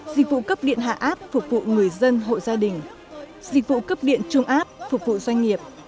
dịch vụ cấp điện hạ áp phục vụ người dân hộ gia đình dịch vụ cấp điện trung áp phục vụ doanh nghiệp